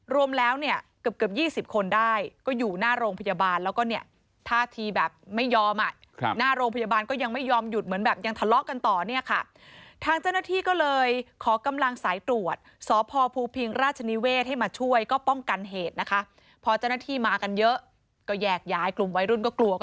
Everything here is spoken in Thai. รวมแล้วเนี่ยเกือบเกือบยี่สิบคนได้ก็อยู่หน้าโรงพยาบาลแล้วก็เนี่ยท่าทีแบบไม่ยอมอ่ะหน้าโรงพยาบาลก็ยังไม่ยอมหยุดเหมือนแบบยังทะเลาะกันต่อเนี่ยค่ะทางเจ้าหน้าที่ก็เลยขอกำลังสายตรวจสพภูพิงราชนิเวศให้มาช่วยก็ป้องกันเหตุนะคะพอเจ้าหน้าที่มากันเยอะก็แยกย้ายกลุ่มวัยรุ่นก็กลัวก็